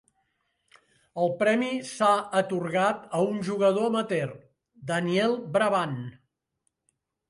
El premi s'ha atorgat a un jugador amateur, Daniel Brabant.